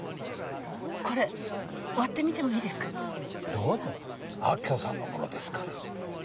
どうぞ明子さんの物ですから。